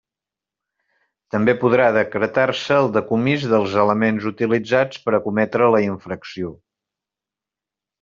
També podrà decretar-se el decomís dels elements utilitzats per a cometre la infracció.